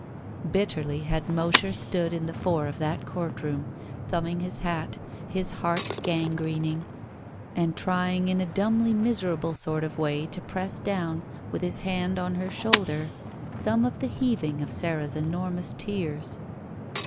Bitterly had Mosher stood in the fore of that court room, thumbing his hat, his heart gangrening, and trying in a dumbly miserable sort of way to press do^. with his hid on her shoulder, some of the heaving of Sara's enormous tears.